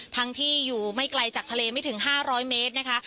ทั้งที่อยู่ไม่ไกลจากทะเลไม่ถึง๕๐๐เมตรนะคะ